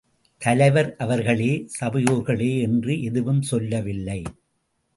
தலைவர் அவர்களே, சபையோர்களே என்று எதுவும் சொல்லவில்லை.